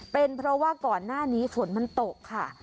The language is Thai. เป็นเพราะว่าก่อนหน้านี้ฝนมันตกค่ะ